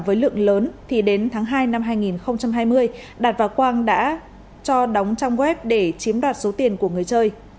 với lượng lớn thì đến tháng hai năm hai nghìn hai mươi đạt và quang đã cho đóng trong web để chiếm đoạt số tiền của người chơi